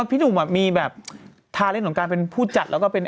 พี่หนุ่มมีแบบทาเล่นของการเป็นผู้จัดแล้วก็เป็น